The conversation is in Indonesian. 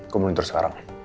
gue muntur sekarang